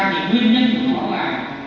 thì nguyên nhân của nó là